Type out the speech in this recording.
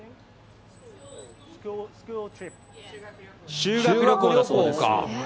修学旅行だそうです。